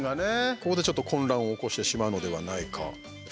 ここでちょっと混乱を起こしてしまうのではないか。